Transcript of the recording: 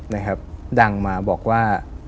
นะครับดังมาบอกว่า